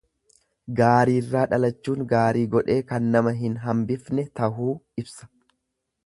Gaariirraa dhalachuun gaarii godhee kan nama hin hambifne tahuu ibsa.